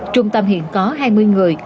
trung tâm hiện có hai mươi người